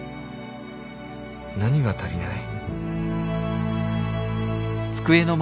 何が足りない？